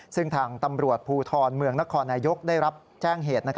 ซึ่งทางตำรวจภูทรเมืองนครนายกได้รับแจ้งเหตุ